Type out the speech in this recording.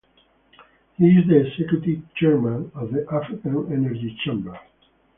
He is the Executive Chairman of the African Energy Chamber.